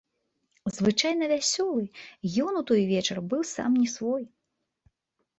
Звычайна вясёлы, ён у той вечар быў сам не свой.